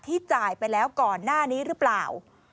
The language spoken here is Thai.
จ่ายไปแล้วก่อนหน้านี้หรือเปล่า